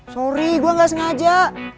sorry gue gak sengaja